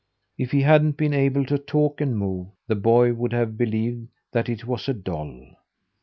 If he hadn't been able to talk and move, the boy would have believed that it was a doll.